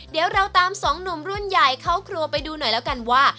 เดี๋ยวเราตามสองหนุ่มรุ่นใหญ่เข้าครัวไปดูหน่อยแล้วกันว่า